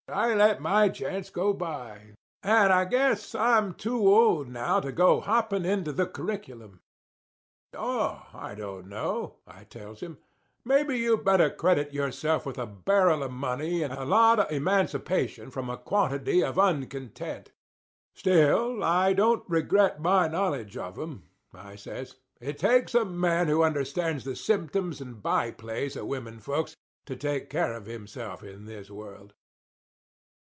I let my chance go by; and I guess I'm too old now to go hopping into the curriculum." "Oh, I don't know," I tells him. "Maybe you better credit yourself with a barrel of money and a lot of emancipation from a quantity of uncontent. Still, I don't regret my knowledge of 'em," I says. "It takes a man who understands the symptoms and by plays of women folks to take care of himself in this world."